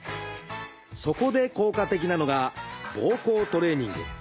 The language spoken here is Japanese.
そこで効果的なのがぼうこうトレーニング。